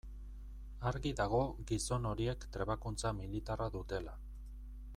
Argi dago gizon horiek trebakuntza militarra dutela.